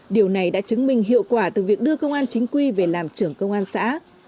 điều này đã chứng minh hiệu quả từ việc đưa công an chính quy về làm trưởng công an xã